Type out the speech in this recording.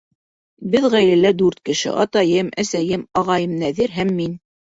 Беҙ ғаиләлә дүрт кеше: атайым, әсәйем, ағайым Нәҙир һәм мин.